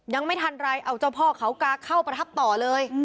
ยังไม่ทันไรเอาเจ้าพ่อเขากาเข้าประทับต่อเลย